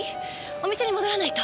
お店に戻らないと。